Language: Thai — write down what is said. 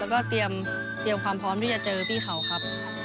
แล้วก็เตรียมความพร้อมที่จะเจอพี่เขาครับ